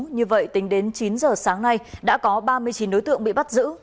như vậy tính đến chín giờ sáng nay đã có ba mươi chín đối tượng bị bắt giữ